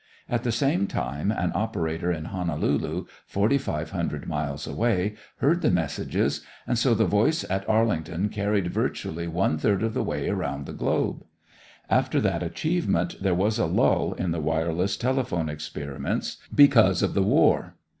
At the same time, an operator in Honolulu, forty five hundred miles away, heard the messages, and so the voice at Arlington carried virtually one third of the way around the globe. After that achievement, there was a lull in the wireless telephone experiments because of the war.